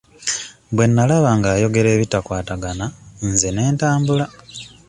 Bwe nnalaba nga ayogera ebitakwatagana nze ne ntambula.